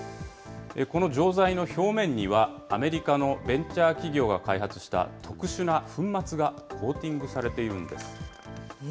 この錠剤の表面には、アメリカのベンチャー企業が開発した特殊な粉末がコーティングされているんです。